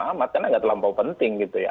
amat karena nggak terlampau penting